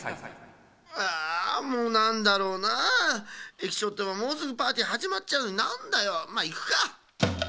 えきちょうってばもうすぐパーティーはじまっちゃうのになんだよ。まあいくか。